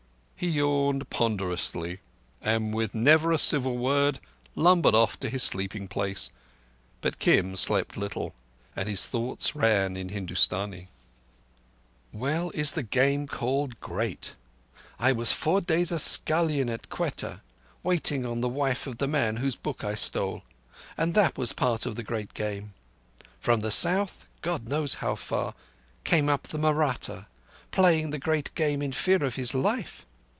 He yawned ponderously, and with never a civil word lumbered off to his sleeping place. But Kim slept little, and his thoughts ran in Hindustani: "Well is the Game called great! I was four days a scullion at Quetta, waiting on the wife of the man whose book I stole. And that was part of the Great Game! From the South—God knows how far—came up the Mahratta, playing the Great Game in fear of his life.